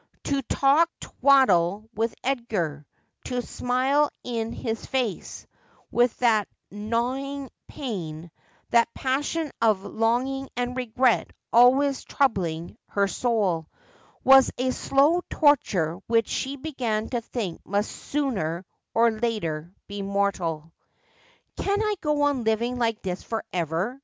To talk twaddle with Edgar, to smile in his face, with that gnawing pain, that passion of long ing and regret always troubling her soul, was a slow torture which she began to think must sooner or later be mortal. ' Can I go on living like this for ever?'